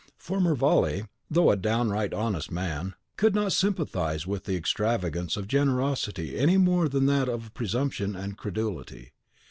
For Mervale, though a downright honest man, could not sympathise with the extravagance of generosity any more than with that of presumption and credulity.